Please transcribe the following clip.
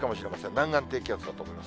南岸低気圧だと思います。